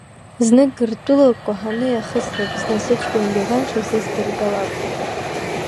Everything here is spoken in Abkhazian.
Зны, Гыртәыла кәаҳаны иахыслап, зны сыҷкәын Леван шасыс дыргалап…